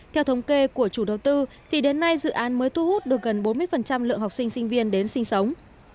theo thống kê của chủ đầu tư thì đến nay dự án mới thu hút được gần bốn mươi lượng học sinh sinh viên đến sinh sống